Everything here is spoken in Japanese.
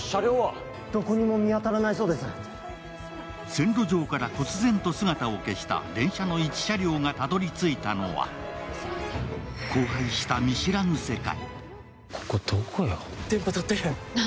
線路上からこつ然と姿を消した電車の１車両がたどり着いたのは荒廃した見知らぬ世界。